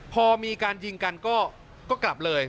พอมีการยิงกันก็กลับเลย